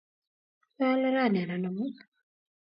Kwealee rani anan amut?